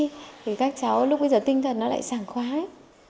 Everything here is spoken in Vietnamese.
thì các cháu lúc bây giờ tinh thần nó lại sàng khoái